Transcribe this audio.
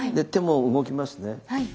手も動きますね。